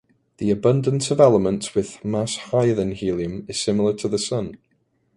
The abundance of elements with mass higher than helium is similar to the Sun.